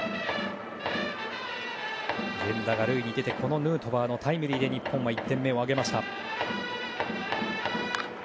源田が塁に出てヌートバーのタイムリーで日本は１点目を挙げました。